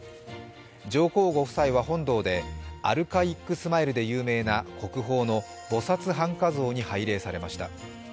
上皇ご夫妻は本堂でアルカイックスマイルで有名な国宝の菩薩半跏像に拝礼されました。